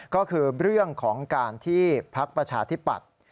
ก็คือเรื่องของการที่พักประชาธิปัตย์